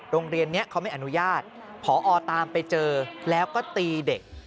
โรงเรียนนี้เขาไม่อนุญาตผอตามไปเจอแล้วก็ตีเด็ก